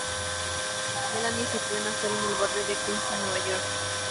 Melanie se crió en Astoria, en el barrio de Queens en Nueva York.